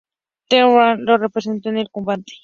The Great Khali lo reemplazó en el combate.